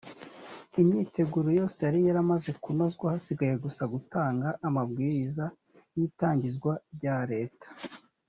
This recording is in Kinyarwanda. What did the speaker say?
imyiteguro yose yari yaramaze kunozwa hasigaye gusa gutanga amabwiriza y itangizwa rya leta